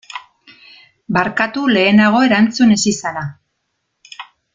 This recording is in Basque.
Barkatu lehenago erantzun ez izana.